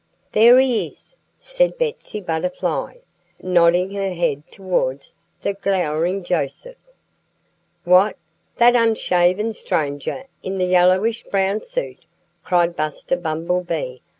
"There he is!" said Betsy Butterfly, nodding her head towards the glowering Joseph. "What! That unshaven stranger in the yellowish brown suit?" cried Buster Bumblebee.